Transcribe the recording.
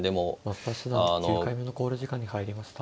増田七段９回目の考慮時間に入りました。